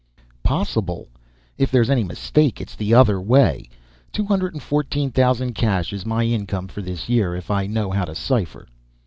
"Possible! If there's any mistake it's the other way. Two hundred and fourteen thousand, cash, is my income for this year if I know how to cipher."